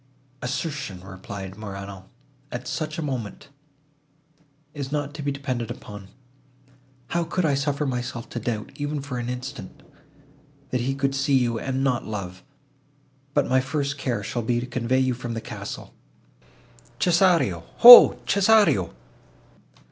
"Assertion," replied Morano, "at such a moment, is not to be depended upon. How could I suffer myself to doubt, even for an instant, that he could see you, and not love?—But my first care shall be to convey you from the castle. Cesario! ho,—Cesario!"